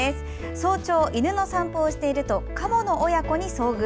早朝、犬の散歩をしているとカモの親子に遭遇。